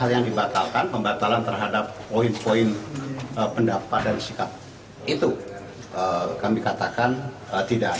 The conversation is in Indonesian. hal yang dibatalkan pembatalan terhadap poin poin pendapat dan sikap itu kami katakan tidak